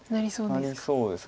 なりそうです。